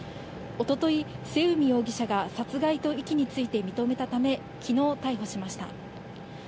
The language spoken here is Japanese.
一昨日、末海容疑者が殺害と遺棄について認めたため昨日、逮捕しました。